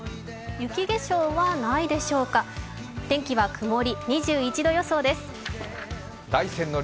雪化粧はないでしょうか、お天気は曇り、２１度予想です。